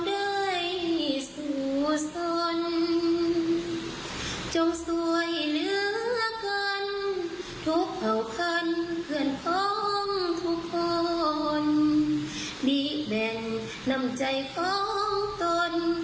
ดีแบ่งนำใจของตน